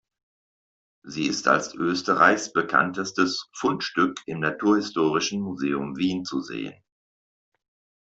Sie ist als Österreichs bekanntestes Fundstück im Naturhistorischen Museum Wien zu sehen.